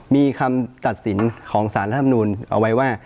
มีคำตัดสินของสารรัฐธรรมนูลเอาไว้ว่า